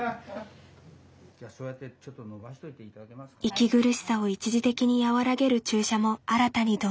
息苦しさを一時的に和らげる注射も新たに導入。